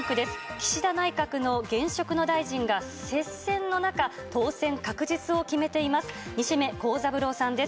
岸田内閣の現職の大臣が接戦の中、当選確実を決めています。